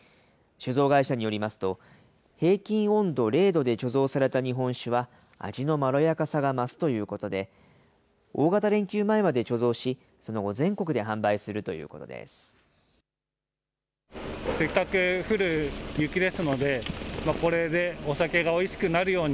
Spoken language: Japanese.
酒造会社によりますと、平均温度０度で貯蔵された日本酒は味のまろやかさが増すということで、大型連休前まで貯蔵し、その後、全国で販売するということです。